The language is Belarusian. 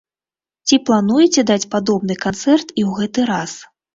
Ці плануеце даць падобны канцэрт і ў гэты раз?